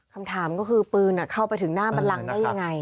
คำถามก็คือปืนเข้าไปถึงหน้าบันลังได้ยังไง